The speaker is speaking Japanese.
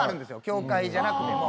協会じゃなくても。